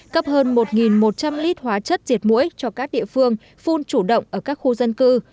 cấp hơn một một trăm linh lít hóa chất diệt mũi cho các địa phương phun chủ động ở các khu dân cư